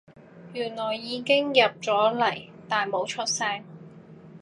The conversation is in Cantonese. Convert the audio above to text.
原來已經入咗嚟但冇出聲